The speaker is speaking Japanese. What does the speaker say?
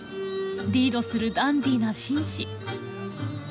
リードするダンディーな紳士。